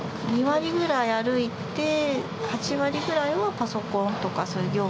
２割ぐらい歩いて８割ぐらいはパソコンとかそういう業務で。